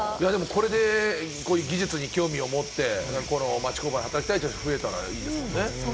これで技術に興味を持って、町工場で働きたいという人が増えたらいいですよね。